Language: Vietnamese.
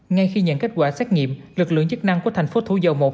ngay khi nhận kết quả xét nghiệm lực lượng chức năng của thành phố thủ dầu một